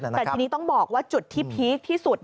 แต่ทีนี้ต้องบอกว่าจุดที่พีคที่สุด